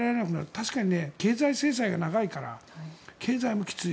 確かに経済制裁が長いから経済もきつい。